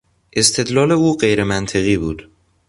استدلال او غیرمنطقی بود.